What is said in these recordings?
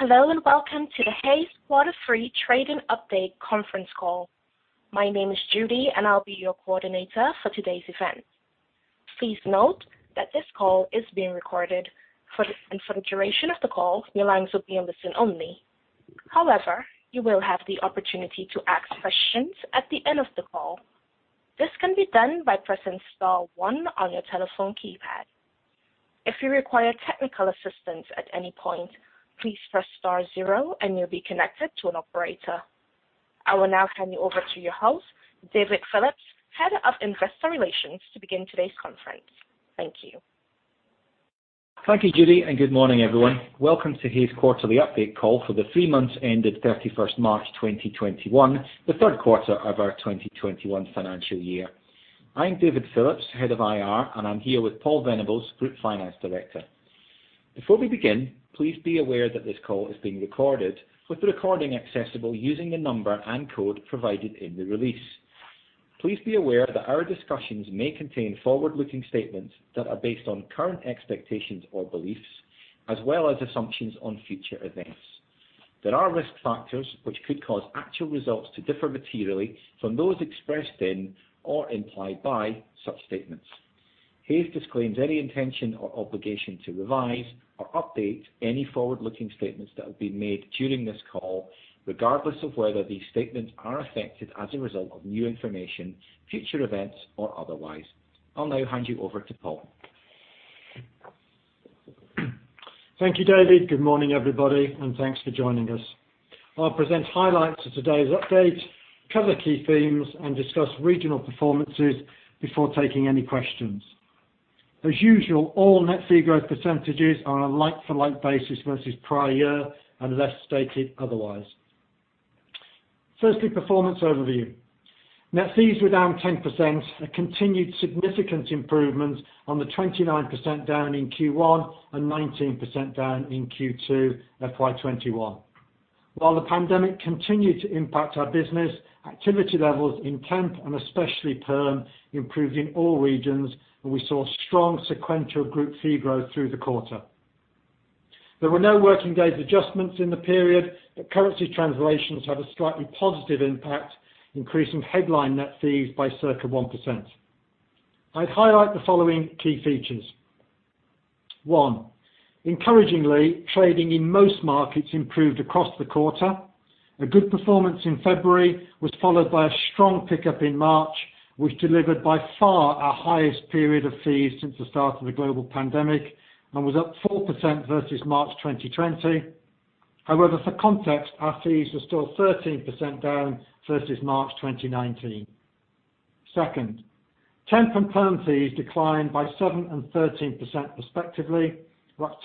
Hello, welcome to the Hays Quarterly Trading Update conference call. My name is Judy, and I'll be your coordinator for today's event. Please note that this call is being recorded. For the duration of the call, your lines will be on listen only. However, you will have the opportunity to ask questions at the end of the call. This can be done by pressing star one on your telephone keypad. If you require technical assistance at any point, please press star zero and you'll be connected to an operator. I will now hand you over to your host, David Phillips, Head of Investor Relations, to begin today's conference. Thank you. Thank you, Judy, and good morning, everyone. Welcome to Hays Quarterly Update call for the three months ended 31st March 2021, the third quarter of our 2021 financial year. I'm David Phillips, Head of IR, and I'm here with Paul Venables, Group Finance Director. Before we begin, please be aware that this call is being recorded, with the recording accessible using the number and code provided in the release. Please be aware that our discussions may contain forward-looking statements that are based on current expectations or beliefs, as well as assumptions on future events. There are risk factors which could cause actual results to differ materially from those expressed in or implied by such statements. Hays disclaims any intention or obligation to revise or update any forward-looking statements that have been made during this call, regardless of whether these statements are affected as a result of new information, future events, or otherwise. I'll now hand you over to Paul. Thank you, David. Good morning, everybody, and thanks for joining us. I will present highlights of today's update, cover key themes, and discuss regional performances before taking any questions. As usual, all net fee growth percentages are a like-for-like basis versus prior year, unless stated otherwise. Firstly, performance overview. Net fees were down 10%, a continued significant improvement on the 29% down in Q1 and 19% down in Q2 FY 2021. While the pandemic continued to impact our business, activity levels in temp and especially perm improved in all regions, and we saw strong sequential group fee growth through the quarter. There were no working days adjustments in the period, but currency translations had a slightly positive impact, increasing headline net fees by circa 1%. I would highlight the following key features. One, encouragingly, trading in most markets improved across the quarter. A good performance in February was followed by a strong pickup in March, which delivered by far our highest period of fees since the start of the global pandemic and was up 4% versus March 2020. For context, our fees were still 13% down versus March 2019. Second, temp and perm fees declined by 7 and 13% respectively,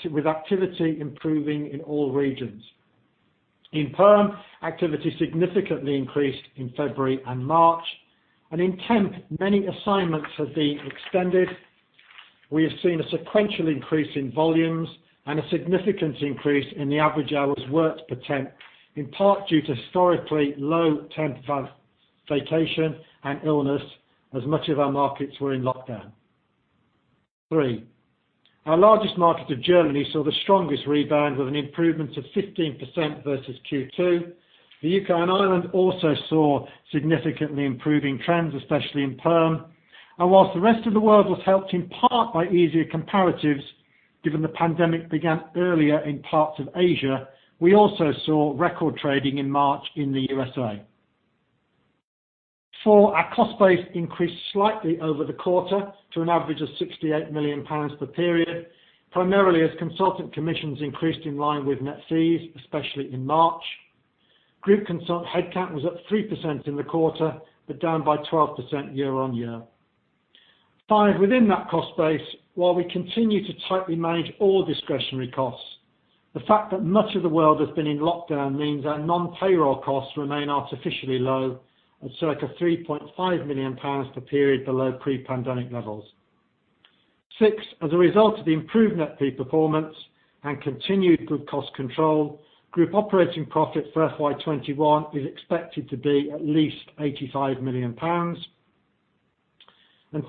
with activity improving in all regions. In perm, activity significantly increased in February and March. In temp, many assignments have been extended. We have seen a sequential increase in volumes and a significant increase in the average hours worked per temp, in part due to historically low temp vacation and illness, as much of our markets were in lockdown. Three, our largest market of Germany saw the strongest rebound with an improvement of 15% versus Q2. The U.K. and Ireland also saw significantly improving trends, especially in perm. Whilst the rest of the world was helped in part by easier comparatives, given the pandemic began earlier in parts of Asia, we also saw record trading in March in the U.S.A. Four, our cost base increased slightly over the quarter to an average of 68 million pounds per period, primarily as consultant commissions increased in line with net fees, especially in March. Group consultant headcount was up 3% in the quarter, but down by 12% year-on-year. Five, within that cost base, while we continue to tightly manage all discretionary costs, the fact that much of the world has been in lockdown means our non-payroll costs remain artificially low at circa 3.5 million pounds per period below pre-pandemic levels. Six, as a result of the improved net fee performance and continued good cost control, group operating profit for FY 2021 is expected to be at least 85 million pounds.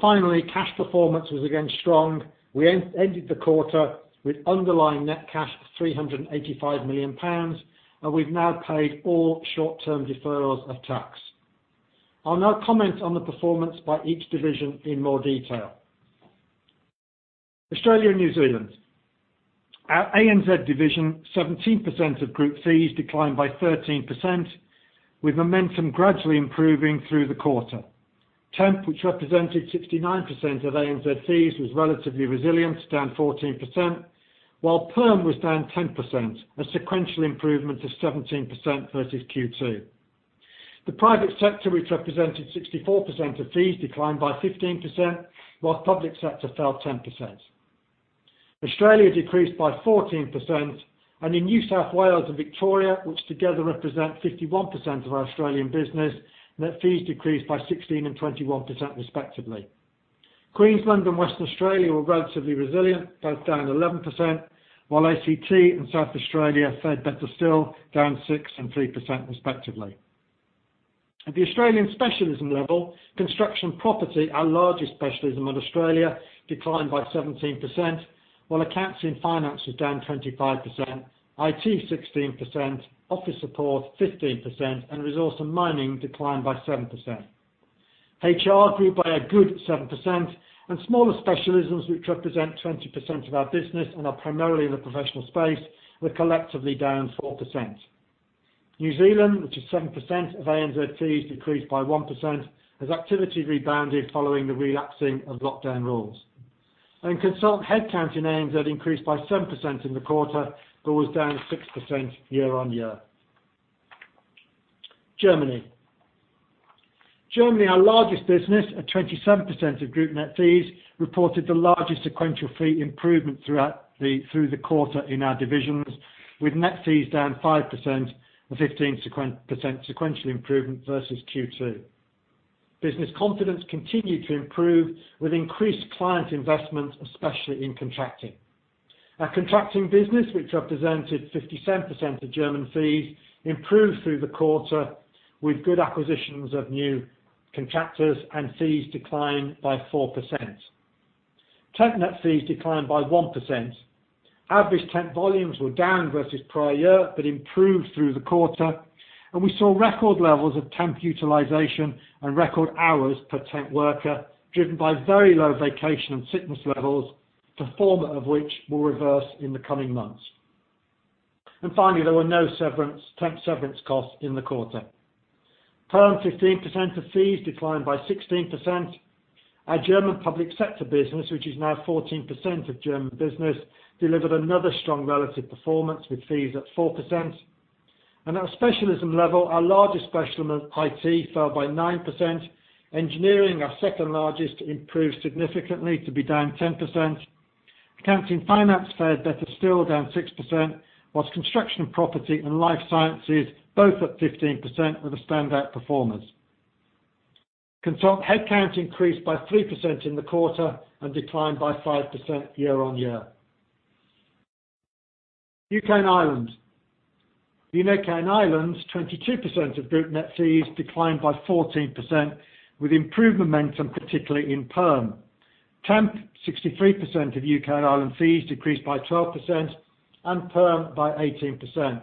Finally, cash performance was again strong. We ended the quarter with underlying net cash of 385 million pounds, and we've now paid all short-term deferrals of tax. I'll now comment on the performance by each division in more detail. Australia and New Zealand. Our ANZ division, 17% of group fees declined by 13%, with momentum gradually improving through the quarter. Temp, which represented 69% of ANZ fees, was relatively resilient, down 14%, while perm was down 10%, a sequential improvement of 17% versus Q2. The private sector, which represented 64% of fees, declined by 15%, while public sector fell 10%. Australia decreased by 14%, and in New South Wales and Victoria, which together represent 51% of our Australian business, net fees decreased by 16% and 21% respectively. Queensland and Western Australia were relatively resilient, both down 11%, while ACT and South Australia fared better still, down 6% and 3% respectively. At the Australian specialism level, construction and property, our largest specialism in Australia, declined by 17%, while Accountancy & Finance was down 25%, IT 16%, office support 15%, and Resource & Mining declined by 7%. HR grew by a good 7%, and smaller specialisms, which represent 20% of our business and are primarily in the professional space, were collectively down 4%. New Zealand, which is 7% of ANZ fees, decreased by 1%, as activity rebounded following the relaxing of lockdown rules. Consult headcount in ANZ increased by 7% in the quarter but was down 6% year-on-year. Germany. Germany, our largest business at 27% of group net fees, reported the largest sequential fee improvement through the quarter in our divisions, with net fees down 5% and 15% sequential improvement versus Q2. Business confidence continued to improve with increased client investment, especially in contracting. Our contracting business, which represented 57% of German fees, improved through the quarter with good acquisitions of new contractors and fees declined by 4%. temp net fees declined by 1%. Average temp volumes were down versus prior year but improved through the quarter, and we saw record levels of temp utilization and record hours per temp worker, driven by very low vacation and sickness levels, the former of which will reverse in the coming months. Finally, there were no temp severance costs in the quarter. perm, 15% of fees declined by 16%. Our German public sector business, which is now 14% of German business, delivered another strong relative performance with fees at 4%. At specialism level, our largest specialism, IT, fell by 9%. Engineering, our second largest, improved significantly to be down 10%. Accountancy & Finance fared better still, down 6%, whilst construction and property and Life Sciences both up 15% were the standout performers. consultant headcount increased by 3% in the quarter and declined by 5% year-on-year. U.K. and Ireland. The U.K. and Ireland, 22% of group net fees declined by 14%, with improved momentum, particularly in perm. Temp, 63% of U.K. and Ireland fees decreased by 12%, and perm by 18%.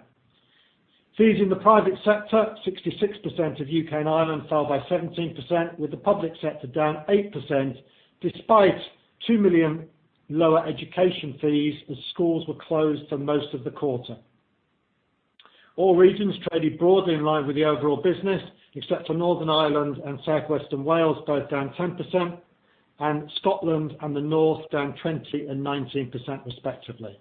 Fees in the private sector, 66% of U.K. and Ireland, fell by 17%, with the public sector down 8%, despite 2 million lower Education fees as schools were closed for most of the quarter. All regions traded broadly in line with the overall business, except for Northern Ireland and Southwestern Wales, both down 10%, and Scotland and the North down 20% and 19%, respectively.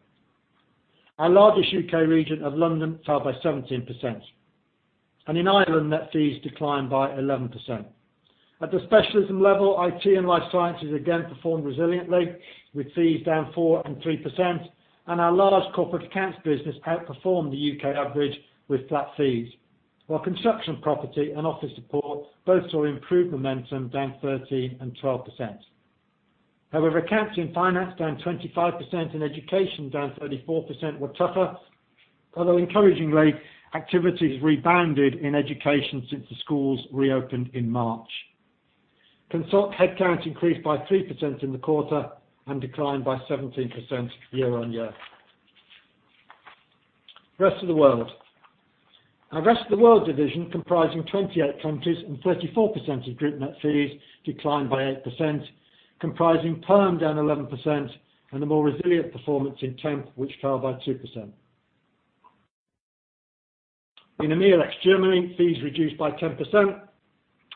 Our largest U.K. region of London fell by 17%. In Ireland, net fees declined by 11%. At the specialism level, IT and Life Sciences again performed resiliently, with fees down 4% and 3%, and our large Corporate Accounts business outperformed the U.K. average with flat fees. While construction and property and office support both saw improved momentum down 13% and 12%. However, accountancy and finance down 25% and Education down 34% were tougher. Although encouragingly, activity has rebounded in Education since the schools reopened in March. consultant headcount increased by 3% in the quarter and declined by 17% year-on-year. rest of the world. Our rest of the world division, comprising 28 countries and 34% of group net fees, declined by 8%, comprising perm down 11% and a more resilient performance in temp, which fell by 2%. In EMEA ex Germany, fees reduced by 10%.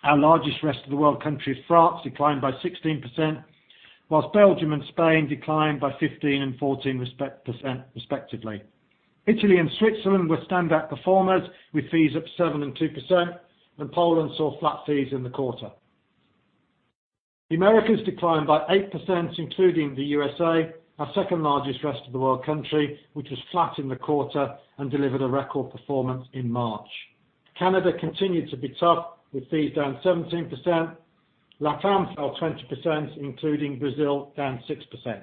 Our largest rest of the world country of France declined by 16%, whilst Belgium and Spain declined by 15% and 14%, respectively. Italy and Switzerland were standout performers, with fees up 7% and 2%, and Poland saw flat fees in the quarter. The Americas declined by 8%, including the U.S.A., our second-largest rest of the world country, which was flat in the quarter and delivered a record performance in March. Canada continued to be tough, with fees down 17%. LATAM fell 20%, including Brazil, down 6%.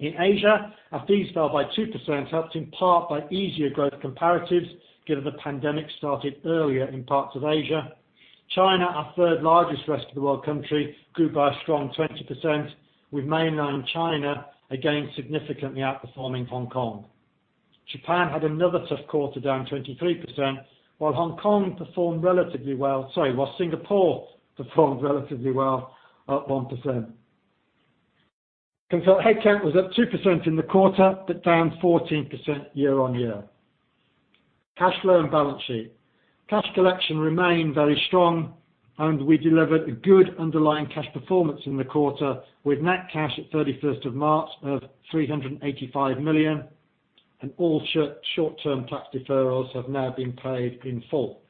In Asia, our fees fell by 2%, helped in part by easier growth comparatives, given the pandemic started earlier in parts of Asia. China, our third-largest rest of the world country, grew by a strong 20%, with mainland China again significantly outperforming Hong Kong. Japan had another tough quarter down 23%, Sorry, while Singapore performed relatively well at 1%. Consultant headcount was up 2% in the quarter but down 14% year-on-year. Cash flow and balance sheet. Cash collection remained very strong, and we delivered a good underlying cash performance in the quarter with net cash at 31st of March of 385 million, and all short-term tax deferrals have now been paid in full.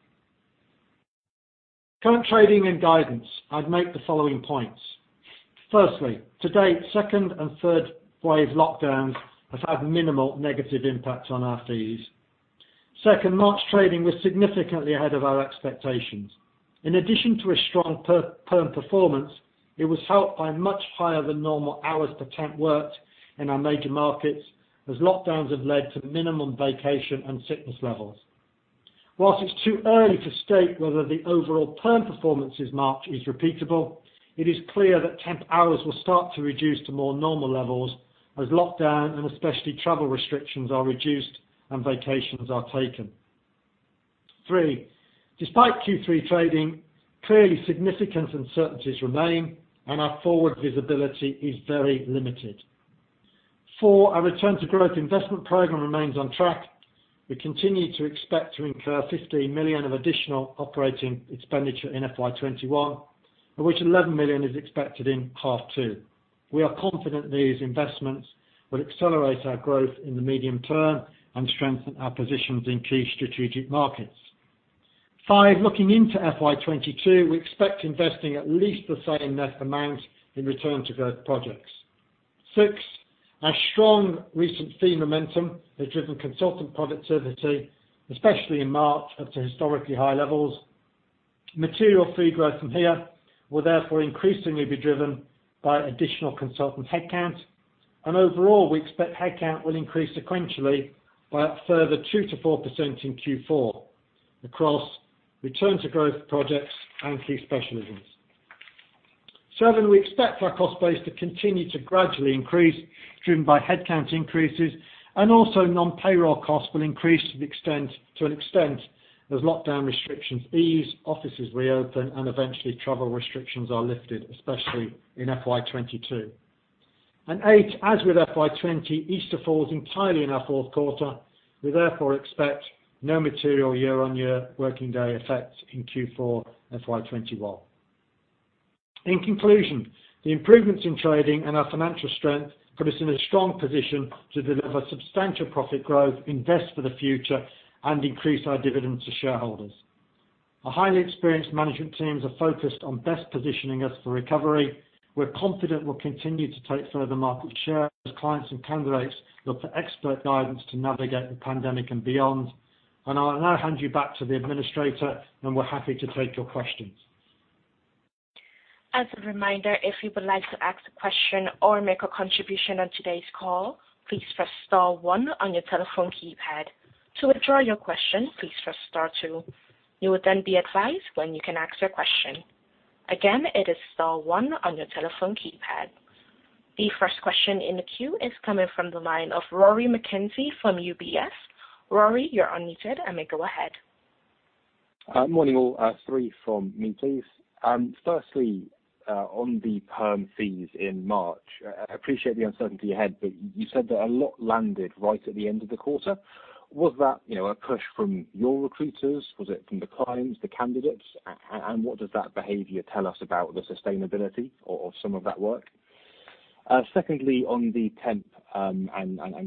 Current trading and guidance, I'd make the following points. Firstly, to date, second and third-wave lockdowns have had minimal negative impacts on our fees. Second, March trading was significantly ahead of our expectations. In addition to a strong perm performance, it was helped by much higher than normal hours per temp worked in our major markets, as lockdowns have led to minimum vacation and sickness levels. Whilst it's too early to state whether the overall perm performance this March is repeatable, it is clear that temp hours will start to reduce to more normal levels as lockdown, and especially travel restrictions, are reduced and vacations are taken. Three, despite Q3 trading, clearly significant uncertainties remain, and our forward visibility is very limited. Four, our Return to Growth investment program remains on track. We continue to expect to incur 15 million of additional operating expenditure in FY21, of which 11 million is expected in half two. We are confident these investments will accelerate our growth in the medium term and strengthen our positions in key strategic markets. Five, looking into FY 2022, we expect investing at least the same net amount in Return to Growth projects. Six, our strong recent fee momentum has driven consultant productivity, especially in March, up to historically high levels. Material fee growth from here will therefore increasingly be driven by additional consultant headcount. Overall, we expect headcount will increase sequentially by a further 2%-4% in Q4 across Return to Growth projects and key specialisms. Seven, we expect our cost base to continue to gradually increase, driven by headcount increases and also non-payroll costs will increase to an extent as lockdown restrictions ease, offices reopen, and eventually travel restrictions are lifted, especially in FY 2022. 8. As with FY 2020, Easter falls entirely in our fourth quarter. We therefore expect no material year-on-year working day effect in Q4 FY 2021. In conclusion, the improvements in trading and our financial strength put us in a strong position to deliver substantial profit growth, invest for the future, and increase our dividend to shareholders. Our highly experienced management teams are focused on best positioning us for recovery. We're confident we'll continue to take further market share as clients and candidates look for expert guidance to navigate the pandemic and beyond. I'll now hand you back to the administrator, and we're happy to take your questions. The first question in the queue is coming from the line of Rory McKenzie from UBS. Rory, you are unmuted. You may go ahead. Morning, all. Three from me, please. Firstly, on the perm fees in March, I appreciate the uncertainty ahead. You said that a lot landed right at the end of the quarter. Was that a push from your recruiters? Was it from the clients, the candidates? What does that behavior tell us about the sustainability of some of that work? Secondly, on the temp and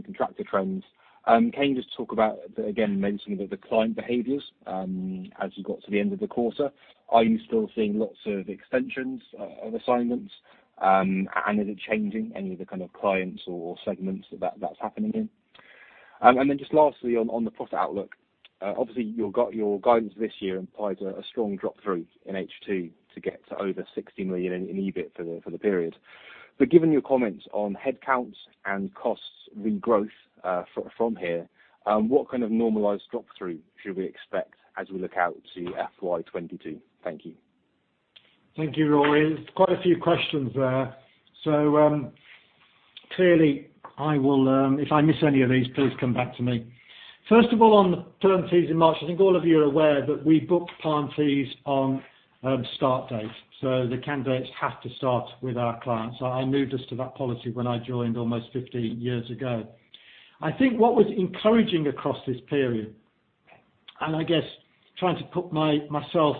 contractor trends, can you just talk about, again, mentioning the client behaviors as you got to the end of the quarter. Are you still seeing lots of extensions of assignments? Is it changing any of the kind of clients or segments that that's happening in? Just lastly, on the profit outlook. Obviously, you've got your guidance this year implies a strong drop through in H2 to get to over 60 million in EBIT for the period. Given your comments on headcounts and costs re-growth from here, what kind of normalized drop through should we expect as we look out to FY 2022? Thank you. Thank you, Rory. Quite a few questions there. Clearly, if I miss any of these, please come back to me. First of all, on the perm fees in March, I think all of you are aware that we book perm fees on start date. The candidates have to start with our clients. I moved us to that policy when I joined almost 15 years ago. I think what was encouraging across this period, and I guess trying to put myself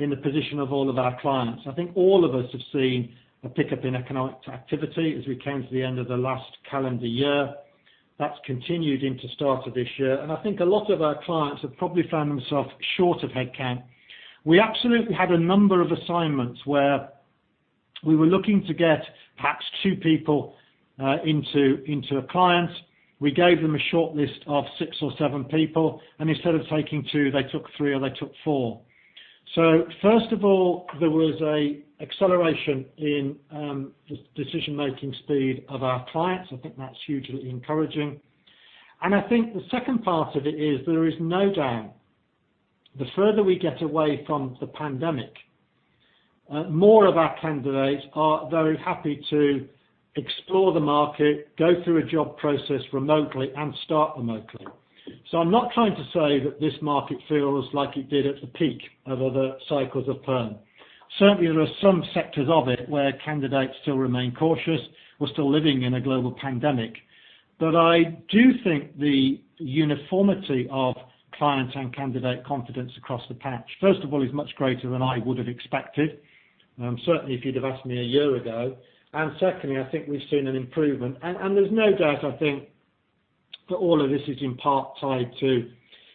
in the position of all of our clients, I think all of us have seen a pickup in economic activity as we came to the end of the last calendar year. That's continued into start of this year. I think a lot of our clients have probably found themselves short of headcount. We absolutely had a number of assignments where we were looking to get perhaps two people into a client. We gave them a shortlist of six or seven people, instead of taking two, they took three or they took four. First of all, there was a acceleration in decision-making speed of our clients. I think that's hugely encouraging. I think the second part of it is there is no doubt the further we get away from the pandemic, more of our candidates are very happy to explore the market, go through a job process remotely, and start remotely. I'm not trying to say that this market feels like it did at the peak of other cycles of perm. Certainly, there are some sectors of it where candidates still remain cautious. We're still living in a global pandemic. I do think the uniformity of clients and candidate confidence across the patch, first of all, is much greater than I would have expected, certainly if you'd have asked me a year ago. Secondly, I think we've seen an improvement. There's no doubt, I think, that all of this is in part tied to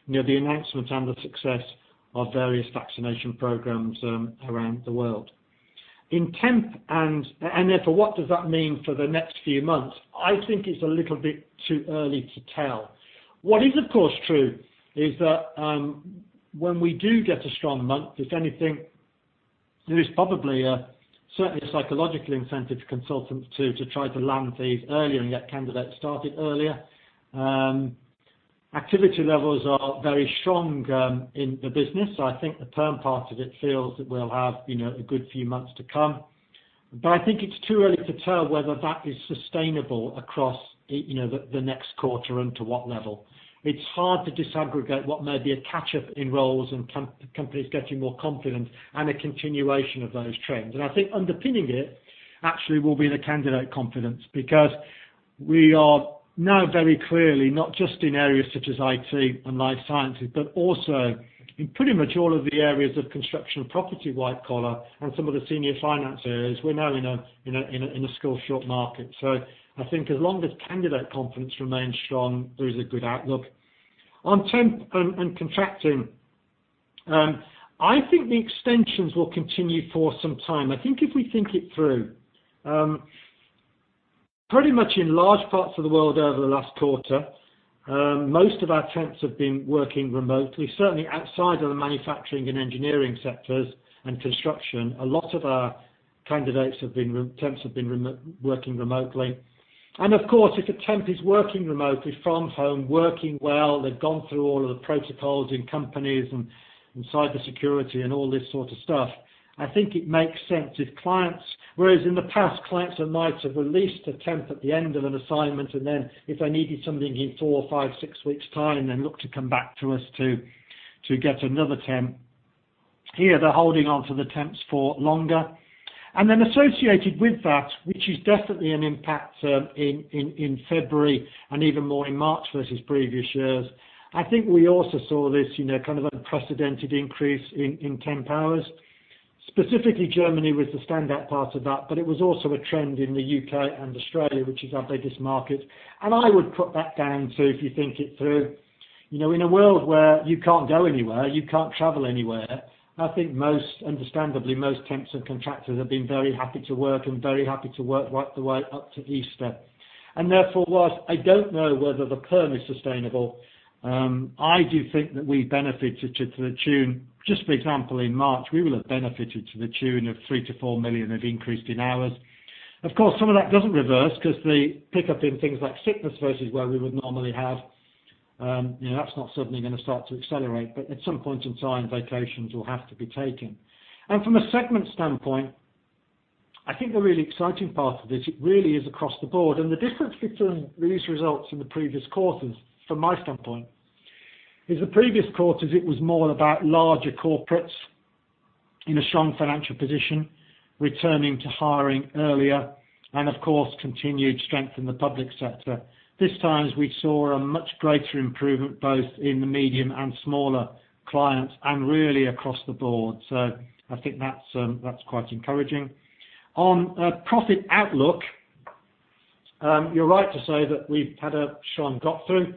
the announcement and the success of various vaccination programs around the world. In temp, and therefore, what does that mean for the next few months? I think it's a little bit too early to tell. What is, of course, true is that when we do get a strong month, if anything, there is probably a certainly psychological incentive to consultants to try to land fees earlier and get candidates started earlier. Activity levels are very strong in the business. I think the perm part of it feels that we'll have a good few months to come. I think it's too early to tell whether that is sustainable across the next quarter and to what level. It's hard to disaggregate what may be a catch-up in roles and companies getting more confident and a continuation of those trends. I think underpinning it actually will be the candidate confidence, because we are now very clearly, not just in areas such as IT and Life Sciences, but also in pretty much all of the areas of construction, property, white collar, and some of the senior finance areas, we're now in a skill short market. I think as long as candidate confidence remains strong, there is a good outlook. On temp and contracting, I think the extensions will continue for some time. I think if we think it through, pretty much in large parts of the world over the last quarter, most of our temps have been working remotely. Certainly outside of the manufacturing and engineering sectors and construction, a lot of our candidates, temps, have been working remotely. Of course, if a temp is working remotely from home, working well, they've gone through all of the protocols in companies and cyber security and all this sort of stuff, I think it makes sense whereas in the past, clients might have released a temp at the end of an assignment and then if they needed something in four or five, six weeks time, then look to come back to us to get another temp. Here, they're holding on to the temps for longer. Associated with that, which is definitely an impact in February and even more in March versus previous years, I think we also saw this kind of unprecedented increase in temp hours. Specifically Germany was the standout part of that, but it was also a trend in the U.K. and Australia, which is our biggest market. I would put that down to, if you think it through, in a world where you can't go anywhere, you can't travel anywhere, I think understandably, most temps and contractors have been very happy to work and very happy to work right the way up to Easter. Therefore, whilst I don't know whether the perm is sustainable, I do think that we benefited to the tune Just for example, in March, we will have benefited to the tune of 3 million-4 million of increase in hours. Of course, some of that doesn't reverse because the pickup in things like sickness versus where we would normally have, that's not suddenly going to start to accelerate. At some point in time, vacations will have to be taken. From a segment standpoint, I think the really exciting part of this, it really is across the board. The difference between these results and the previous quarters, from my standpoint, is the previous quarters, it was more about larger Corporates in a strong financial position returning to hiring earlier, and of course, continued strength in the public sector. This time, we saw a much greater improvement, both in the medium and smaller clients and really across the board. I think that's quite encouraging. On profit outlook, you're right to say that we've had a strong drop through,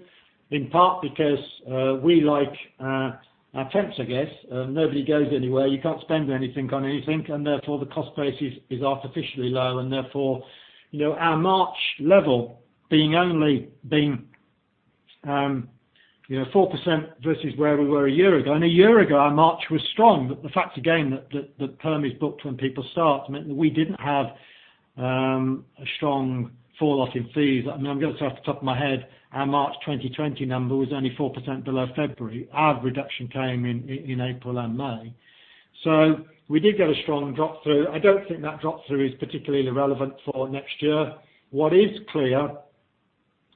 in part because we, like our temps, I guess, nobody goes anywhere, you can't spend anything on anything, and therefore the cost base is artificially low. Therefore our March level being only 4% versus where we were a year ago. A year ago, our March was strong. The fact again, that perm is booked when people start meant that we didn't have a strong falloff in fees. I mean, I'm going to say off the top of my head, our March 2020 number was only 4% below February. Our reduction came in April and May. We did get a strong drop through. I don't think that drop through is particularly relevant for next year. What is clear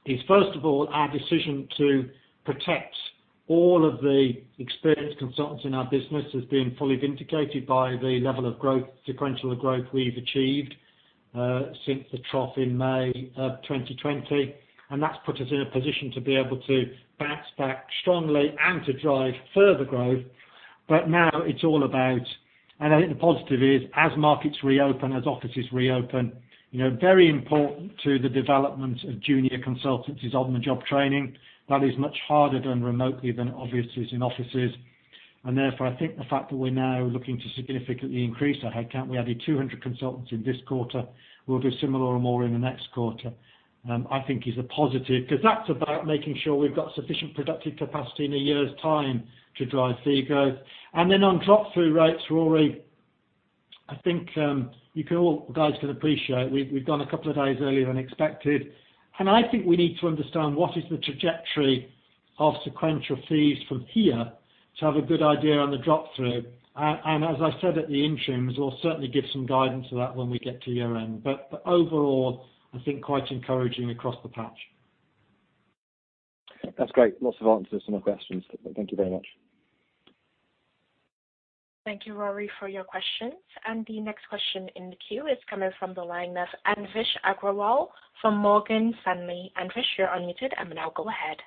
is, first of all, our decision to protect all of the experienced consultants in our business has been fully vindicated by the level of growth, sequential growth we've achieved since the trough in May of 2020, and that's put us in a position to be able to bounce back strongly and to drive further growth. Now I think the positive is as markets reopen, as offices reopen, very important to the development of junior consultants is on-the-job training. That is much harder done remotely than obviously it is in offices. Therefore, I think the fact that we're now looking to significantly increase our head count, we added 200 consultants in this quarter, we'll do similar or more in the next quarter, I think is a positive, because that's about making sure we've got sufficient productive capacity in a year's time to drive fee growth. Then on drop-through rates, Rory, I think you guys can appreciate we've gone a couple of days earlier than expected, and I think we need to understand what is the trajectory of sequential fees from here to have a good idea on the drop through. As I said at the interims, we'll certainly give some guidance to that when we get to year-end. Overall, I think quite encouraging across the patch. That's great. Lots of answers to my questions. Thank you very much. Thank you, Rory, for your questions. The next question in the queue is coming from the line of Anvesh Agrawal from Morgan Stanley. Anvesh, you're unmuted and now go ahead.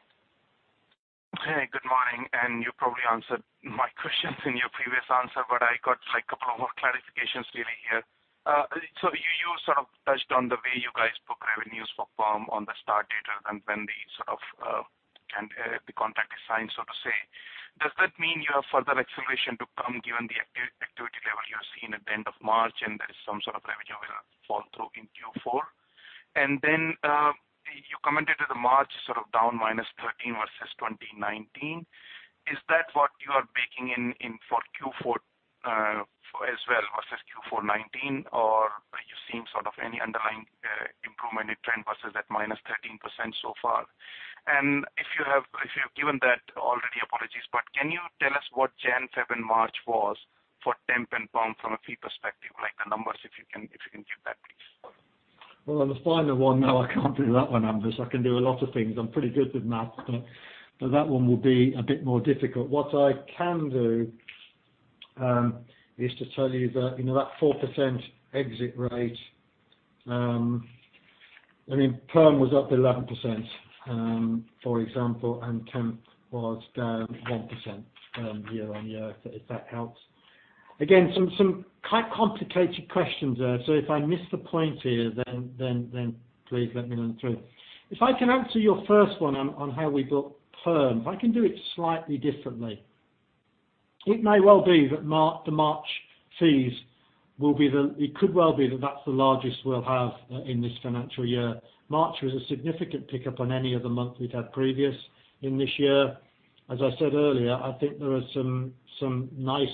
Good morning. You probably answered my questions in your previous answer, but I got a couple of more clarifications really here. You sort of touched on the way you guys book revenues for perm on the start date and when the sort of the contract is signed, so to say. Does that mean you have further acceleration to come given the activity level you are seeing at the end of March, and there is some sort of revenue will fall through in Q4? You commented at the March down -13% versus 2019. Is that what you are baking in for Q4 as well versus Q4 2019, or are you seeing any underlying improvement in trend versus that -13% so far? If you have given that already, apologies, but can you tell us what Jan, Feb, and March was for temp and perm from a fee perspective, like the numbers if you can give that, please. Well, on the final one, no, I can't do that one, Anvesh. I can do a lot of things. I'm pretty good with math, but that one will be a bit more difficult. What I can do is to tell you that 4% exit rate, perm was up 11%, for example, and temp was down 1% year-on-year, if that helps. Again, some quite complicated questions there, so if I miss the point here, then please let me know. If I can answer your first one on how we got perm, I can do it slightly differently. It may well be that the March fees, it could well be that that's the largest we'll have in this financial year. March was a significant pickup on any of the months we'd had previous in this year. As I said earlier, I think there are some nice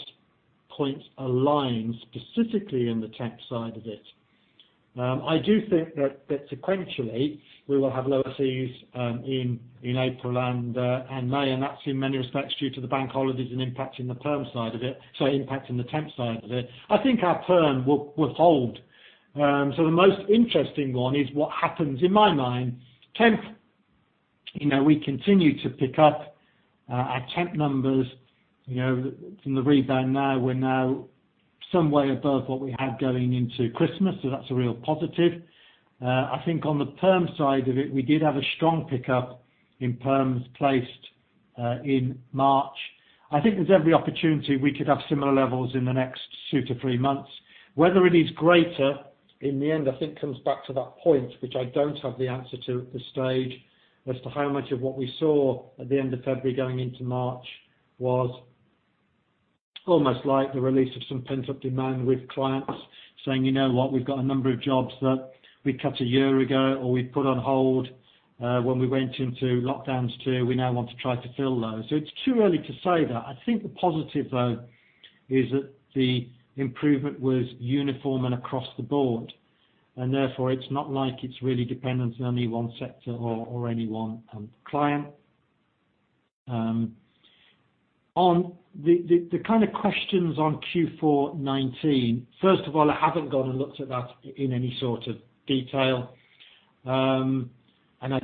points aligned, specifically in the temp side of it. I do think that sequentially, we will have lower fees in April and May, and that's in many respects due to the bank holidays and impacting the temp side of it. I think our perm will hold. The most interesting one is what happens in my mind, temp, we continue to pick up our temp numbers from the rebound now we're now some way above what we had going into Christmas, so that's a real positive. I think on the perm side of it, we did have a strong pickup in perms placed in March. I think there's every opportunity we could have similar levels in the next two to three months. Whether it is greater in the end, I think comes back to that point, which I don't have the answer to at this stage as to how much of what we saw at the end of February going into March was almost like the release of some pent-up demand with clients saying, "You know what? We've got a number of jobs that we cut a year ago, or we put on hold when we went into lockdowns too, we now want to try to fill those." It's too early to say that. I think the positive, though, is that the improvement was uniform and across the board, and therefore it's not like it's really dependent on any one sector or any one client. On the kind of questions on Q4 2019, first of all, I haven't gone and looked at that in any sort of detail. I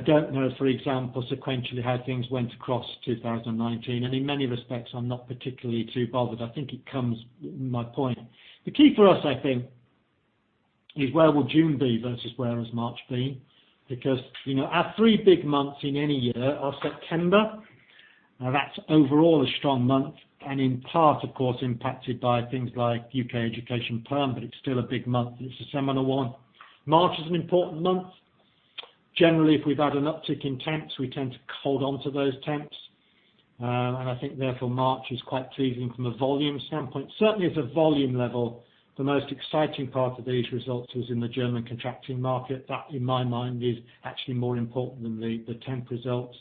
don't know, for example, sequentially how things went across 2019, in many respects, I'm not particularly too bothered. I think it comes with my point. The key for us, I think, is where will June be versus where has March been. Our three big months in any year are September, now that's overall a strong month and in part of course impacted by things like U.K. Education perm, but it's still a big month, and it's a seminal one. March is an important month. Generally, if we've had an uptick in temps, we tend to hold on to those temps. I think therefore March is quite pleasing from a volume standpoint. Certainly as a volume level, the most exciting part of these results is in the German contracting market. That, in my mind, is actually more important than the temp results.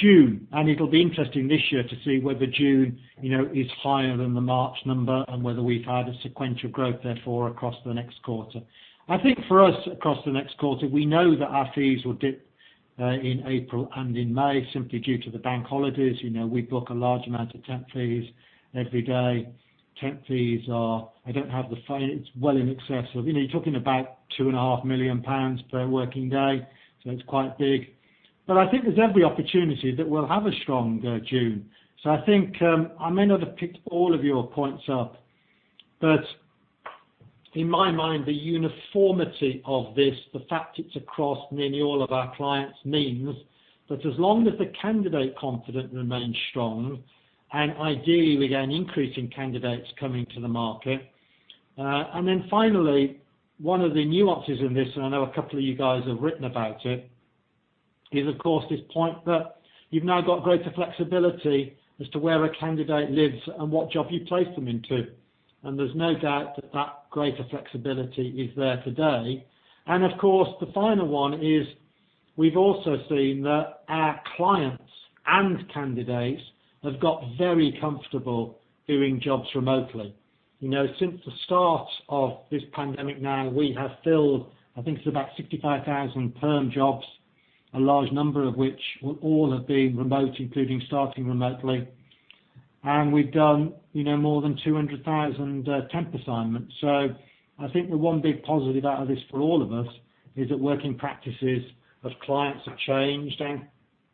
June, it'll be interesting this year to see whether June is higher than the March number and whether we've had a sequential growth therefore across the next quarter. I think for us across the next quarter, we know that our fees will dip in April and in May simply due to the bank holidays. We book a large amount of temp fees every day. Temp fees are, it's well in excess of, you're talking about £2.5 million per working day, so it's quite big. I think there's every opportunity that we'll have a strong June. I think, I may not have picked all of your points up, but in my mind, the uniformity of this, the fact it's across nearly all of our clients means that as long as the candidate confidence remains strong and ideally we get an increase in candidates coming to the market. Finally, one of the nuances in this, and I know a couple of you guys have written about it, is of course this point that you've now got greater flexibility as to where a candidate lives and what job you place them into. There's no doubt that that greater flexibility is there today. Of course, the final one is we've also seen that our clients and candidates have got very comfortable doing jobs remotely. Since the start of this pandemic now, we have filled, I think it's about 65,000 perm jobs, a large number of which all have been remote, including starting remotely. We've done more than 200,000 temp assignments. I think the one big positive out of this for all of us is that working practices of clients have changed and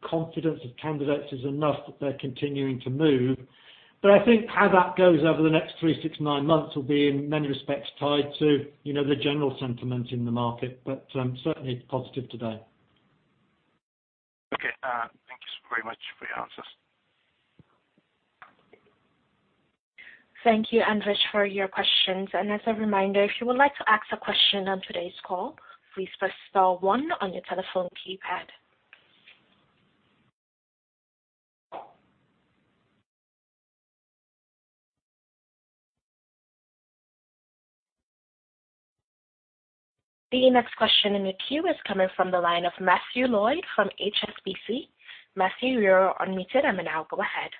confidence of candidates is enough that they're continuing to move. I think how that goes over the next three, six, nine months will be in many respects tied to the general sentiment in the market. Certainly it's positive today. Thank you so much for your answers. Thank you, Anvesh, for your questions. As a reminder, if you would like to ask a question on today's call, please press star one on your telephone keypad. The next question in the queue is coming from the line of Matthew Lloyd from HSBC. Matthew, you are unmuted, and now go ahead.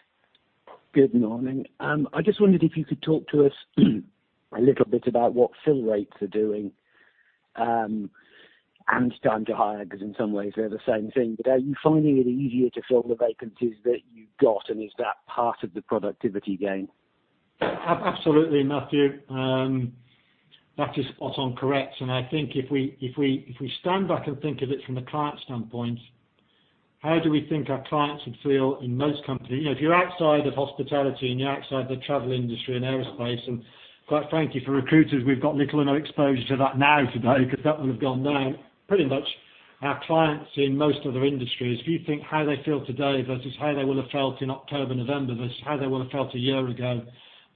Good morning. I just wondered if you could talk to us a little bit about what fill rates are doing, and time to hire, because in some ways they're the same thing. Are you finding it easier to fill the vacancies that you've got, and is that part of the productivity gain? Absolutely, Matthew. That is spot on correct. I think if we stand back and think of it from the client standpoint, how do we think our clients would feel in most companies? If you're outside of hospitality and you're outside the travel industry and aerospace, and quite frankly, for recruiters, we've got little or no exposure to that now today, because that will have gone now. Pretty much our clients in most other industries, if you think how they feel today versus how they would have felt in October, November, versus how they would have felt a year ago,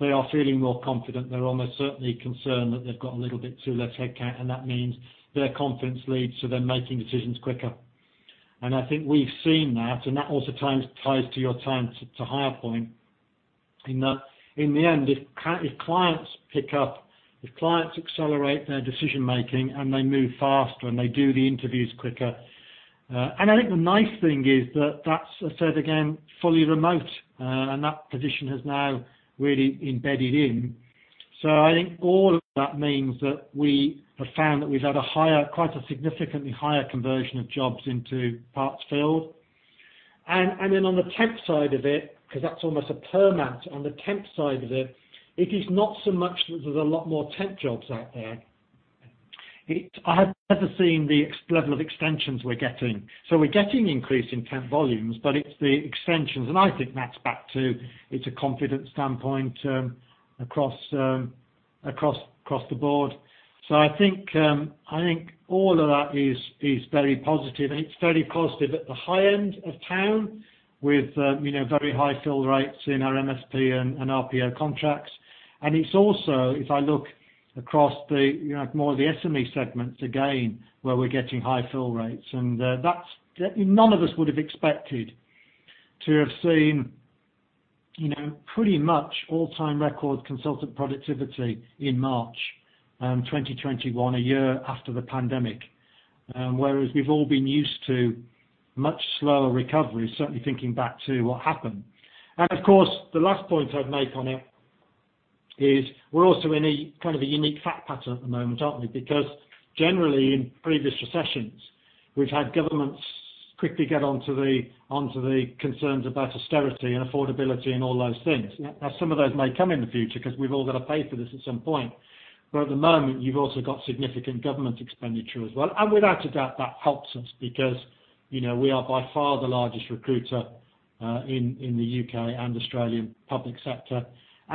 they are feeling more confident. They're almost certainly concerned that they've got a little bit too less headcount, and that means their confidence leads to them making decisions quicker. I think we've seen that, and that also ties to your time-to-hire point in that, in the end, if clients pick up, if clients accelerate their decision-making and they move faster and they do the interviews quicker. I think the nice thing is that's, I said again, fully remote, and that position has now really embedded in. I think all of that means that we have found that we've had quite a significantly higher conversion of jobs into parts filled. Then on the temp side of it, because that's almost a perm. On the temp side of it is not so much that there's a lot more temp jobs out there. I have never seen the level of extensions we're getting. We're getting increase in temp volumes, but it's the extensions. I think that's back to a confidence standpoint across the board. I think all of that is very positive, and it's very positive at the high end of town with very high fill rates in our MSP and RPO contracts. It's also, if I look across more of the SME segments, again, where we're getting high fill rates, and none of us would have expected to have seen pretty much all-time record consultant productivity in March 2021, a year after the pandemic. Whereas we've all been used to much slower recovery, certainly thinking back to what happened. Of course, the last point I'd make on it is we're also in a kind of a unique fact pattern at the moment, aren't we? Because generally in previous recessions, we've had governments quickly get onto the concerns about austerity and affordability and all those things. Now, some of those may come in the future because we've all got to pay for this at some point. At the moment, you've also got significant government expenditure as well. Without a doubt that helps us because we are by far the largest recruiter in the U.K. and Australian public sector.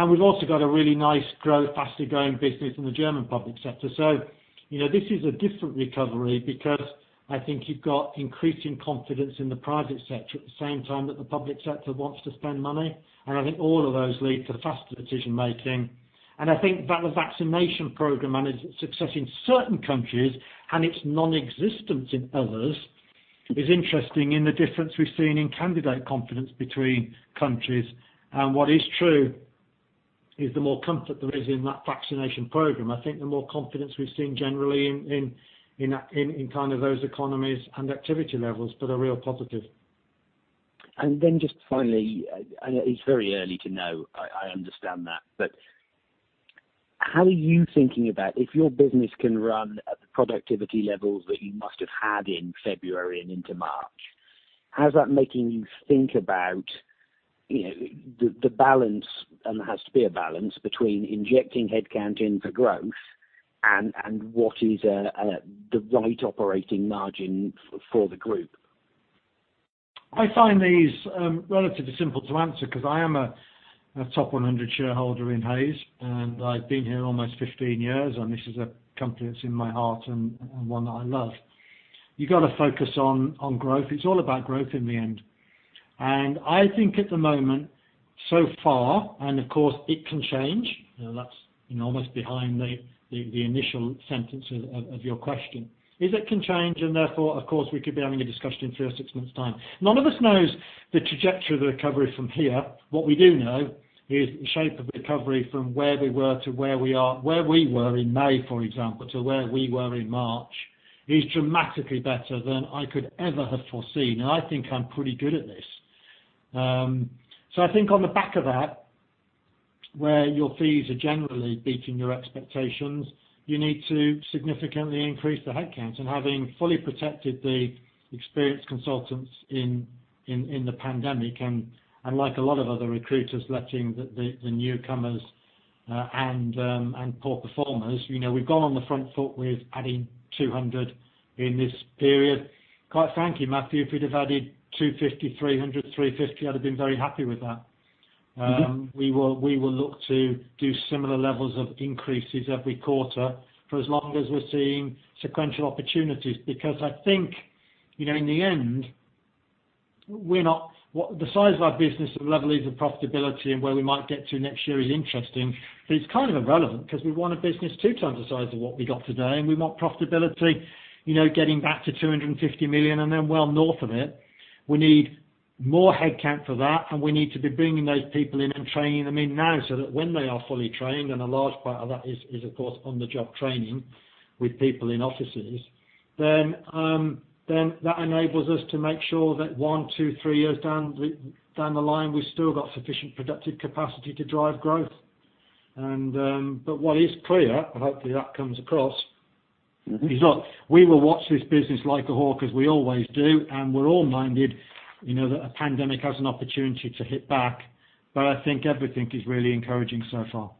We've also got a really nice, faster growing business in the German public sector. This is a different recovery because I think you've got increasing confidence in the private sector at the same time that the public sector wants to spend money. I think all of those lead to faster decision-making. I think that the vaccination program and its success in certain countries and its non-existence in others is interesting in the difference we've seen in candidate confidence between countries. What is true is the more comfort there is in that vaccination program, I think the more confidence we've seen generally in those economies and activity levels, but they're real positive. Just finally, I know it's very early to know, I understand that, how are you thinking about if your business can run at the productivity levels that you must have had in February and into March, how is that making you think about the balance, and there has to be a balance, between injecting headcount in for growth and what is the right operating margin for the group? I find these relatively simple to answer because I am a top 100 shareholder in Hays, and I've been here almost 15 years, and this is a company that's in my heart and one that I love. You got to focus on growth. It's all about growth in the end. I think at the moment, so far, and of course it can change, that's almost behind the initial sentence of your question, is it can change and therefore, of course, we could be having a discussion in three or six months' time. None of us knows the trajectory of the recovery from here. What we do know is the shape of recovery from where we were to where we are, where we were in May, for example, to where we were in March, is dramatically better than I could ever have foreseen. I think I'm pretty good at this. I think on the back of that, where your fees are generally beating your expectations, you need to significantly increase the headcount. Having fully protected the experienced consultants in the pandemic, and unlike a lot of other recruiters letting the newcomers and poor performers, we've gone on the front foot with adding 200 in this period. Quite frankly, Matthew, if we'd have added 250, 300, 350, I'd have been very happy with that. We will look to do similar levels of increases every quarter for as long as we are seeing sequential opportunities. I think, in the end, the size of our business and the level of profitability and where we might get to next year is interesting, but it is kind of irrelevant because we want a business two times the size of what we got today, and we want profitability, getting back to 250 million and then well north of it. We need more headcount for that, and we need to be bringing those people in and training them in now, so that when they are fully trained, and a large part of that is, of course, on-the-job training with people in offices, then, that enables us to make sure that one, two, three years down the line, we've still got sufficient productive capacity to drive growth. What is clear, and hopefully that comes across is that we will watch this business like a hawk as we always do. We are all minded that a pandemic has an opportunity to hit back. I think everything is really encouraging so far.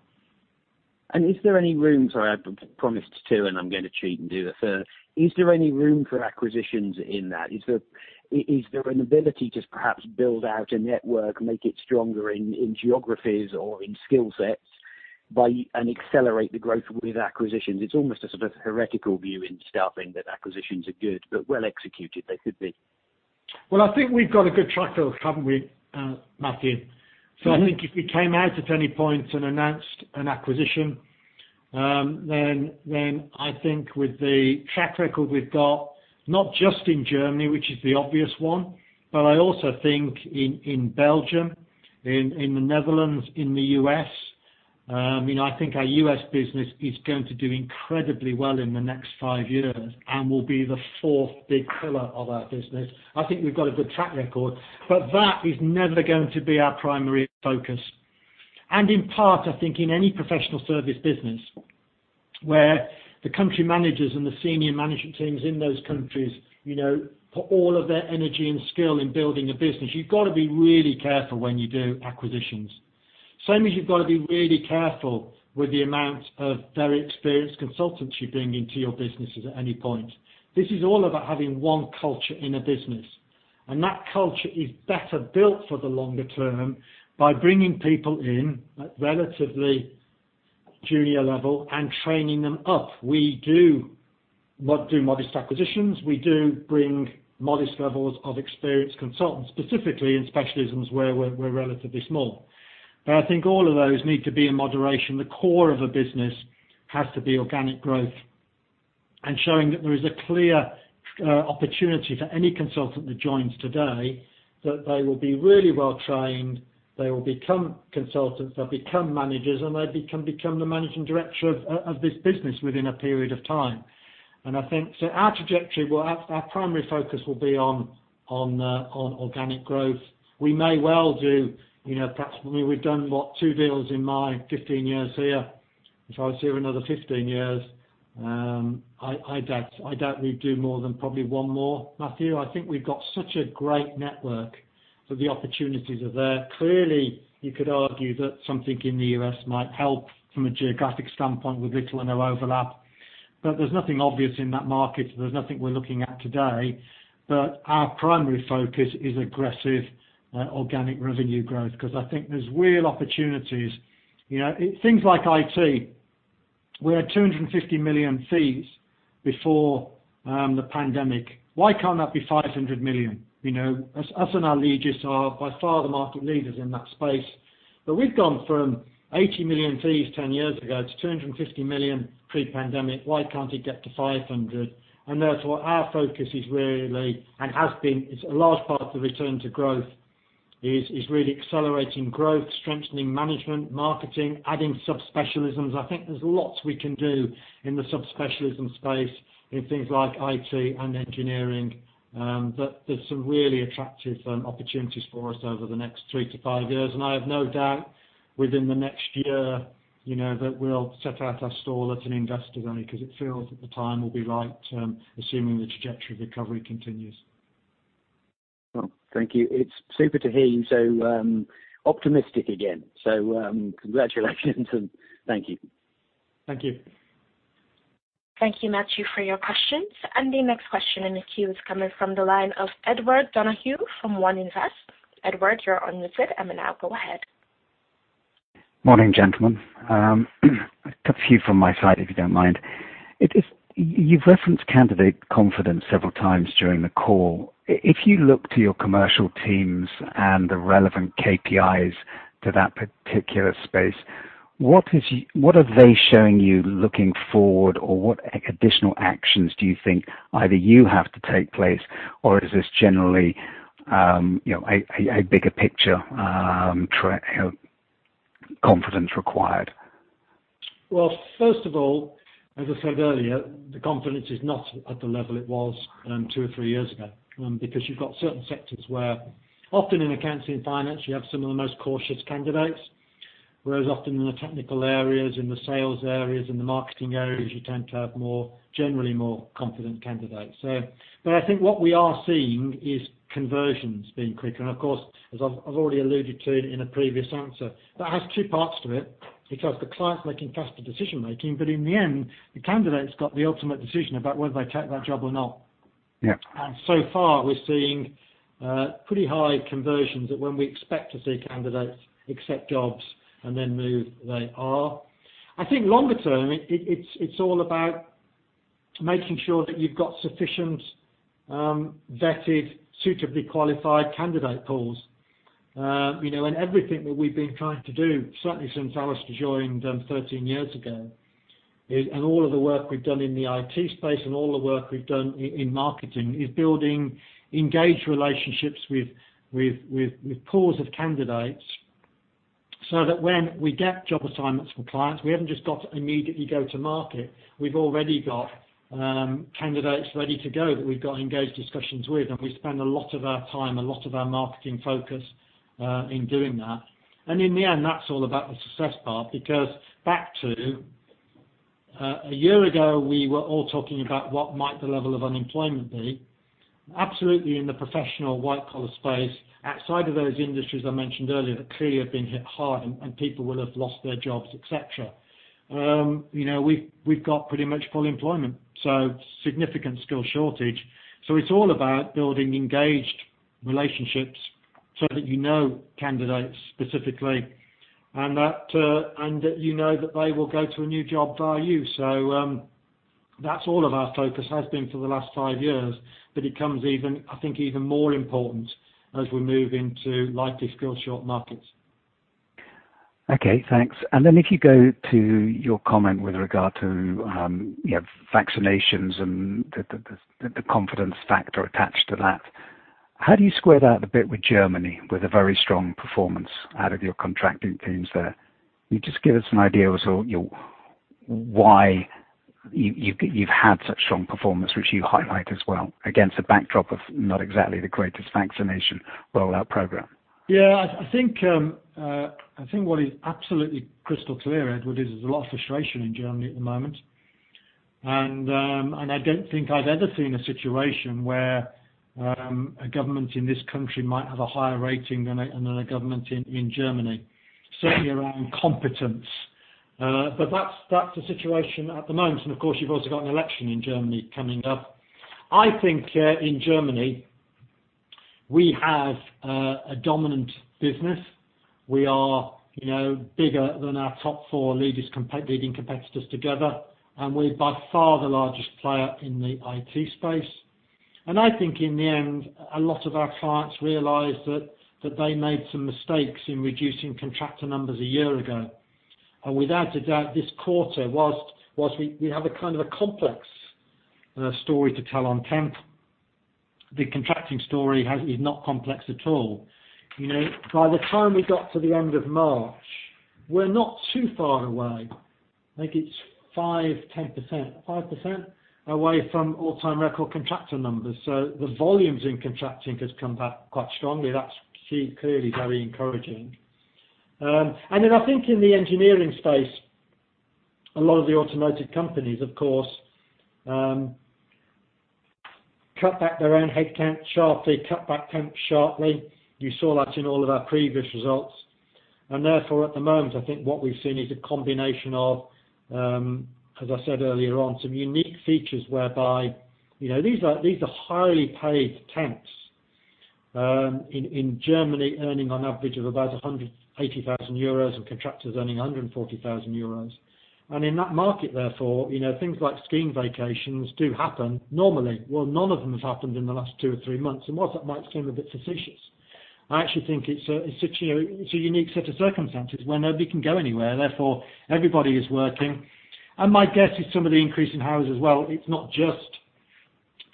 Sorry, I promised two, and I'm going to cheat and do a third. Is there any room for acquisitions in that? Is there an ability to perhaps build out a network, make it stronger in geographies or in skill sets, and accelerate the growth with acquisitions? It's almost a sort of heretical view in staffing that acquisitions are good, but well executed, they could be. Well, I think we have got a good track record, haven't we, Matthew? I think if we came out at any point and announced an acquisition, I think with the track record we have got, not just in Germany, which is the obvious one, but I also think in Belgium, in the Netherlands, in the U.S. I think our U.S. business is going to do incredibly well in the next five years and will be the fourth big pillar of our business. I think we have got a good track record. That is never going to be our primary focus. In part, I think in any professional service business where the country managers and the senior management teams in those countries put all of their energy and skill in building a business, you have got to be really careful when you do acquisitions. Same as you have got to be really careful with the amount of very experienced consultants you bring into your businesses at any point. This is all about having one culture in a business. That culture is better built for the longer term by bringing people in at relatively junior level and training them up. We do modest acquisitions. We do bring modest levels of experienced consultants, specifically in specialisms where we are relatively small. I think all of those need to be in moderation. The core of the business has to be organic growth and showing that there is a clear opportunity for any consultant that joins today, that they will be really well trained, they will become consultants, they will become managers, and they become the managing director of this business within a period of time. Our trajectory, our primary focus will be on organic growth. We may well do, perhaps we've done what, two deals in my 15 years here. If I was here another 15 years, I doubt we'd do more than probably one more, Matthew. I think we've got such a great network that the opportunities are there. Clearly, you could argue that something in the U.S. might help from a geographic standpoint with little or no overlap. There's nothing obvious in that market. There's nothing we are looking at today. Our primary focus is aggressive organic revenue growth because I think there's real opportunities. Things like IT. We had 250 million fees before the pandemic. Why can't that be 500 million? Us and Allegis are by far the market leaders in that space. We've gone from 80 million fees 10 years ago to 250 million pre-pandemic. Why can't it get to 500 million? Therefore, our focus is really, and has been, is a large part of the Return to Growth, is really accelerating growth, strengthening management, marketing, adding subspecialisms. I think there's lots we can do in the subspecialism space in things like IT and Engineering, that there's some really attractive opportunities for us over the next three to five years. I have no doubt within the next year, that we'll set out our stall at an investor day because it feels that the time will be right, assuming the trajectory of recovery continues. Thank you. It's super to hear you so optimistic again. Congratulations and thank you. Thank you. Thank you, Matthew, for your questions. The next question in the queue is coming from the line of Edward Donoghue from One Invest. Edward, you're unmuted and now go ahead. Morning, gentlemen. A few from my side, if you don't mind. You've referenced candidate confidence several times during the call. If you look to your commercial teams and the relevant KPIs to that particular space, what are they showing you looking forward? What additional actions do you think either you have to take place, or is this generally a bigger picture confidence required? Well, first of all, as I said earlier, the confidence is not at the level it was two or three years ago, because you've got certain sectors where often in Accountancy & Finance, you have some of the most cautious candidates. Whereas often in the technical areas, in the sales areas, in the marketing areas, you tend to have generally more confident candidates. I think what we are seeing is conversions being quicker. Of course, as I've already alluded to in a previous answer, that has two parts to it because the client's making faster decision-making, but in the end, the candidate's got the ultimate decision about whether they take that job or not. Yeah So far, we're seeing pretty high conversions that when we expect to see candidates accept jobs and then move, they are. I think longer term, it's all about making sure that you've got sufficient, vetted, suitably qualified candidate pools. Everything that we've been trying to do, certainly since Alistair joined 13 years ago, and all of the work we've done in the IT space and all the work we've done in marketing, is building engaged relationships with pools of candidates so that when we get job assignments from clients, we haven't just got to immediately go to market. We've already got candidates ready to go that we've got engaged discussions with, and we spend a lot of our time, a lot of our marketing focus in doing that. In the end, that's all about the success part, because back to a year ago, we were all talking about what might the level of unemployment be. Absolutely in the professional white-collar space, outside of those industries I mentioned earlier that clearly have been hit hard and people will have lost their jobs, et cetera. We've got pretty much full employment, significant skill shortage. It's all about building engaged relationships so that you know candidates specifically and that you know that they will go to a new job via you. That's all of our focus, has been for the last five years, but it becomes even, I think, even more important as we move into lightly skill-short markets. Okay, thanks. If you go to your comment with regard to vaccinations and the confidence factor attached to that, how do you square that a bit with Germany, with a very strong performance out of your contracting teams there? Can you just give us an idea as to why you've had such strong performance, which you highlight as well, against a backdrop of not exactly the greatest vaccination rollout program? Yeah, I think what is absolutely crystal clear, Edward, is there's a lot of frustration in Germany at the moment. I don't think I've ever seen a situation where a government in this country might have a higher rating than a government in Germany, certainly around competence. That's the situation at the moment, and of course, you've also got an election in Germany coming up. I think, in Germany, we have a dominant business. We are bigger than our top four leading competitors together, and we're by far the largest player in the IT space. I think in the end, a lot of our clients realized that they made some mistakes in reducing contractor numbers a year ago. Without a doubt, this quarter, whilst we have a kind of a complex story to tell on temp, the contracting story is not complex at all. By the time we got to the end of March, we're not too far away. I think it's 5%, 10% away from all-time record contractor numbers. The volumes in contracting has come back quite strongly. That's clearly very encouraging. I think in the engineering space, a lot of the automotive companies, of course, cut back their own headcount sharply, cut back temp sharply. You saw that in all of our previous results. Therefore, at the moment, I think what we've seen is a combination of, as I said earlier on, some unique features whereby these are highly paid temps in Germany, earning on average of about 180,000 euros and contractors earning 140,000 euros. In that market, therefore, things like skiing vacations do happen normally. Well, none of them have happened in the last two or three months, and while that might seem a bit suspicious, I actually think it's a unique set of circumstances where nobody can go anywhere, therefore everybody is working. My guess is some of the increase in hours as well, it's not just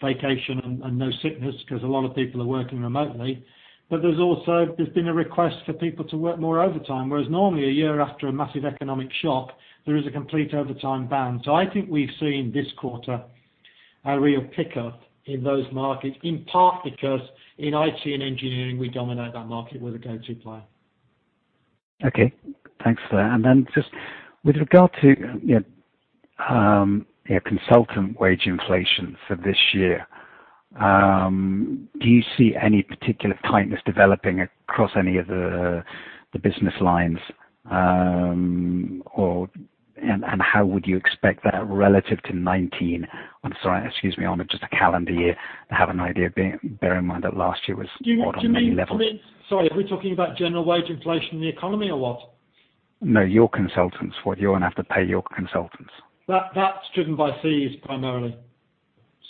vacation and no sickness because a lot of people are working remotely, but there's also been a request for people to work more overtime, whereas normally a year after a massive economic shock, there is a complete overtime ban. I think we've seen this quarter a real pickup in those markets, in part because in IT and Engineering, we dominate that market. We're the go-to player. Okay, thanks for that. Then just with regard to consultant wage inflation for this year, do you see any particular tightness developing across any of the business lines? How would you expect that relative to 2019? I'm sorry. Excuse me, on just a calendar year, have an idea, bear in mind that last year was odd on many levels. Sorry, are we talking about general wage inflation in the economy or what? No, your consultants. What you're going to have to pay your consultants? That's driven by fees primarily.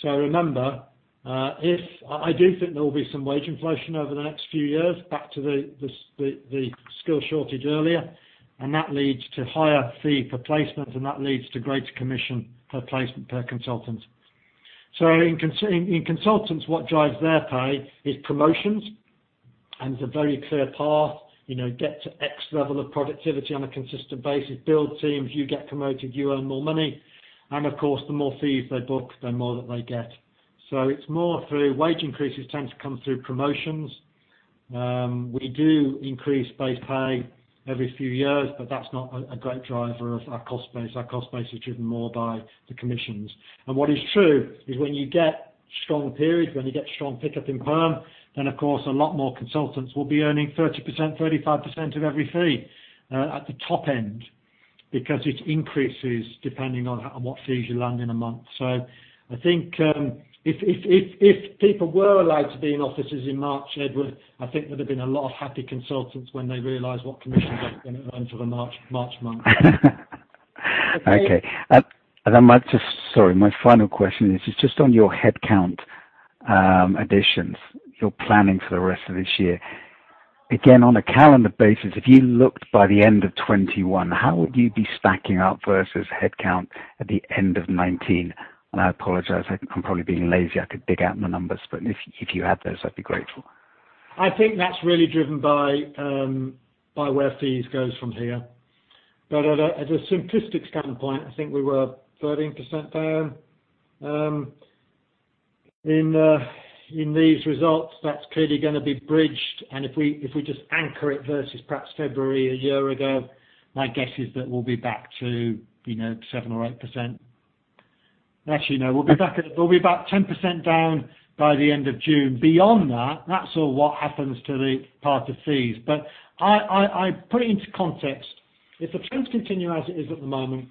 Remember, I do think there will be some wage inflation over the next few years, back to the skill shortage earlier, and that leads to higher fee per placement, and that leads to greater commission per placement per consultant. In consultants, what drives their pay is promotions, and there's a very clear path, get to X level of productivity on a consistent basis, build teams, you get promoted, you earn more money. Of course, the more fees they book, the more that they get. It's more through wage increases tend to come through promotions. We do increase base pay every few years, but that's not a great driver of our cost base. Our cost base is driven more by the commissions. What is true is when you get strong periods, when you get strong pickup in perm, then of course, a lot more consultants will be earning 30%, 35% of every fee at the top end because it increases depending on what fees you land in a month. I think if people were allowed to be in offices in March, Edward, I think there'd have been a lot of happy consultants when they realized what commissions they were going to earn for the March month. Okay. Sorry, my final question is just on your headcount additions, your planning for the rest of this year. Again, on a calendar basis, if you looked by the end of 2021, how would you be stacking up versus headcount at the end of 2019? I apologize, I'm probably being lazy. I could dig out my numbers, but if you have those, I'd be grateful. I think that's really driven by where fees goes from here. At a simplistic standpoint, I think we were 13% down. In these results, that's clearly going to be bridged, and if we just anchor it versus perhaps February a year ago, my guess is that we'll be back to 7% or 8%. Actually, no. We'll be about 10% down by the end of June. Beyond that's all what happens to the path of fees. I put it into context. If the trends continue as it is at the moment,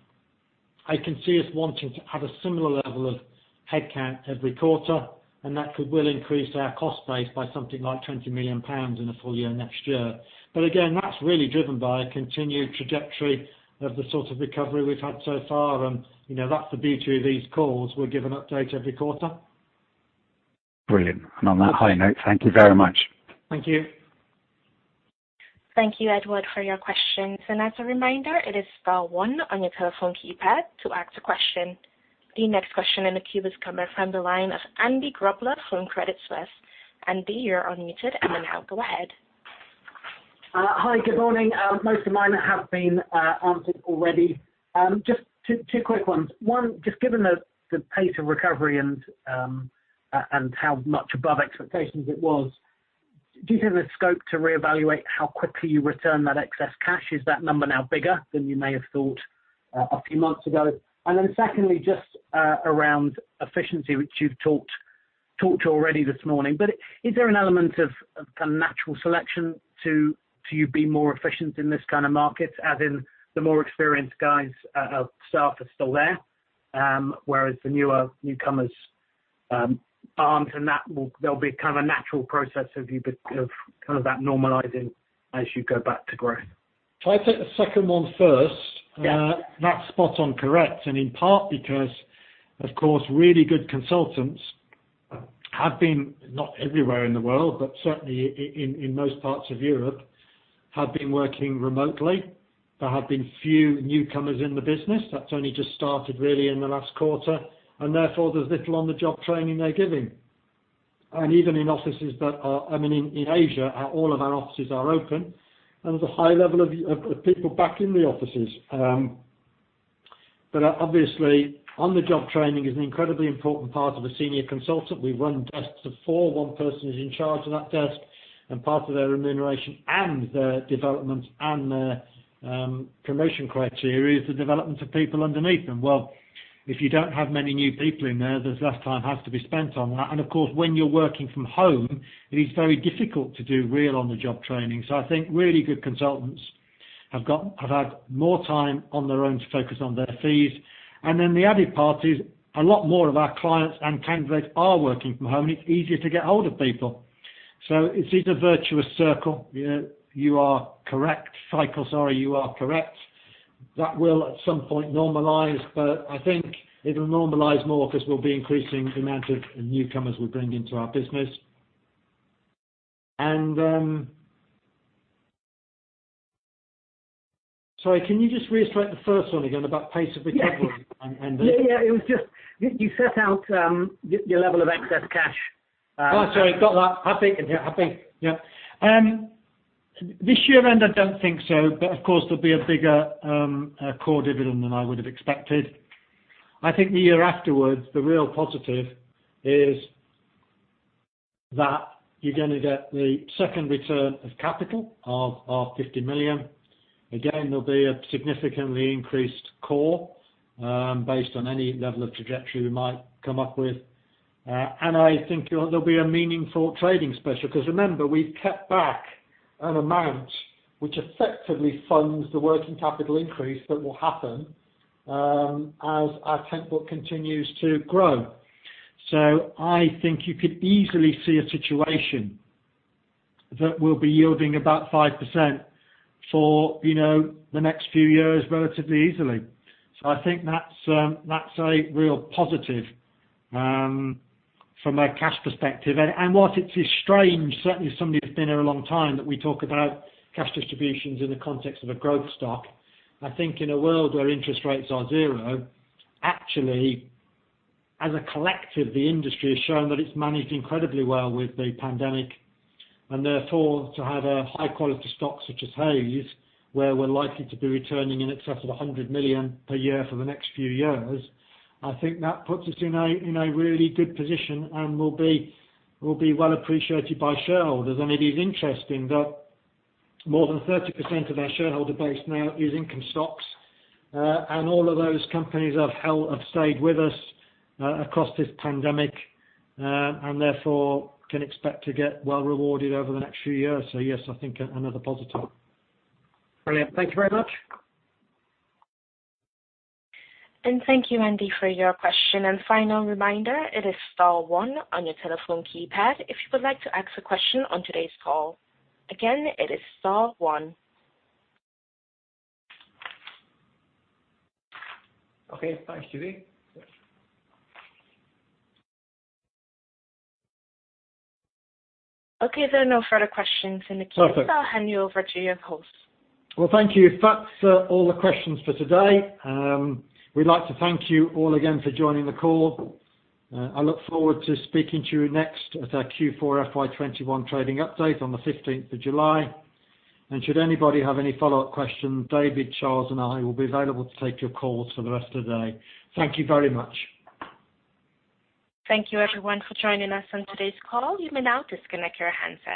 I can see us wanting to have a similar level of headcount every quarter, and that will increase our cost base by something like 20 million pounds in a full year next year. Again, that's really driven by a continued trajectory of the sort of recovery we've had so far, and that's the beauty of these calls. We'll give an update every quarter. Brilliant. On that high note, thank you very much. Thank you. Thank you, Edward, for your questions. The next question in the queue is coming from the line of Andy Grobler from Credit Suisse. Hi, good morning. Most of mine have been answered already. Just two quick ones. One, just given the pace of recovery and how much above expectations it was, do you have the scope to reevaluate how quickly you return that excess cash? Is that number now bigger than you may have thought a few months ago? Secondly, just around efficiency, which you've talked already this morning. Is there an element of a natural selection to you be more efficient in this kind of market, as in the more experienced guys, staff are still there? Whereas the newer newcomers aren't, and there'll be a natural process of that normalizing as you go back to growth. I'll take the second one first. Yeah. That's spot on correct. In part because, of course, really good consultants have been, not everywhere in the world, but certainly in most parts of Europe, have been working remotely. There have been few newcomers in the business. That's only just started really in the last quarter, therefore, there's little on-the-job training they're giving. Even in offices. In Asia, all of our offices are open, there's a high level of people back in the offices. Obviously, on-the-job training is an incredibly important part of a senior consultant. We run desks of four. One person is in charge of that desk, part of their remuneration and their development and their promotion criteria is the development of people underneath them. Well, if you don't have many new people in there's less time has to be spent on that. Of course, when you're working from home, it is very difficult to do real on-the-job training. I think really good consultants have had more time on their own to focus on their fees. The added part is a lot more of our clients and candidates are working from home, and it's easier to get hold of people. It's a virtuous circle. You are correct. Cycle, sorry, you are correct. That will at some point normalize, but I think it'll normalize more because we'll be increasing the amount of newcomers we bring into our business. Sorry, can you just reiterate the first one again about pace of recovery, Andy? Yeah. It was just you set out your level of excess cash. Oh, sorry. Got that. I think, yeah. This year-end, I don't think so, but of course, there'll be a bigger core dividend than I would have expected. I think the year afterwards, the real positive is that you're going to get the second return of capital of our 50 million. There'll be a significantly increased core based on any level of trajectory we might come up with. I think there'll be a meaningful trading special because remember, we've kept back an amount which effectively funds the working capital increase that will happen as our temp book continues to grow. I think you could easily see a situation that will be yielding about 5% for the next few years relatively easily. I think that's a real positive from a cash perspective. Whilst it's strange, certainly as somebody who's been here a long time, that we talk about cash distributions in the context of a growth stock, I think in a world where interest rates are zero, actually, as a collective, the industry has shown that it's managed incredibly well with the pandemic, therefore, to have a high quality stock such as Hays, where we're likely to be returning in excess of 100 million per year for the next few years, I think that puts us in a really good position and will be well appreciated by shareholders. It is interesting that more than 30% of our shareholder base now is income stocks. All of those companies have stayed with us across this pandemic, therefore can expect to get well rewarded over the next few years. Yes, I think another positive. Brilliant. Thank you very much. Thank you, Andy, for your question. Final reminder, it is star one on your telephone keypad if you would like to ask a question on today's call. Again, it is star one. Okay. Thanks, Judy. Okay. There are no further questions in the queue. Perfect. I'll hand you over to your host. Well, thank you. That's all the questions for today. We'd like to thank you all again for joining the call. I look forward to speaking to you next at our Q4 FY 2021 Trading Update on the 15th of July. Should anybody have any follow-up questions, David, Charles, and I will be available to take your calls for the rest of the day. Thank you very much. Thank you everyone for joining us on today's call. You may now disconnect your handsets.